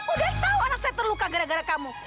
udah tahu anak saya terluka gara gara kamu